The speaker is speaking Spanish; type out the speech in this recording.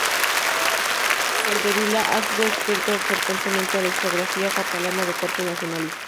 Soldevila ha sido adscrito frecuentemente a la historiografía catalana de corte nacionalista.